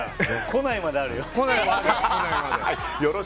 来ないまであるよ。